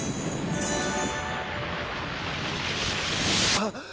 あっ！